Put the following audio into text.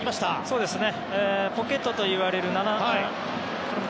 そうですね。